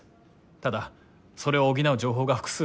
ただそれを補う情報が複数ある。